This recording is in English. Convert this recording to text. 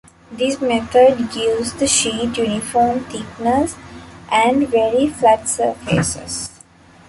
This method gives the sheet uniform thickness and very flat surfaces.